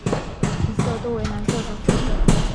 体色多为蓝色和褐色。